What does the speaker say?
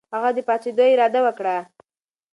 هغه د پاڅېدو اراده وکړه.